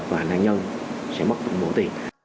và nạn nhân sẽ mất một bộ tiền